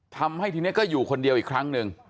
ทำให้ทีนี้ก็อยู่คนเดียวอีกครั้งหนึ่ง